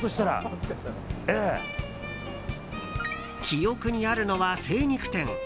記憶にあるのは精肉店。